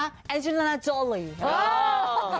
เป็นไอดอลคะ